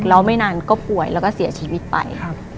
แล้วไม่นานก็ป่วยแล้วก็เสียชีวิตไป